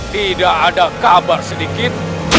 tidak ada kabar sedikit